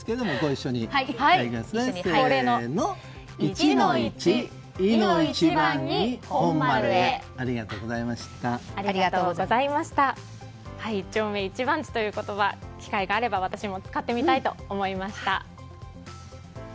一丁目一番地という言葉機会があれば私も使ってみたいと思いました。